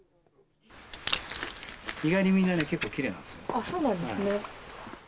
意外にみんなね、結構きれいそうなんですね。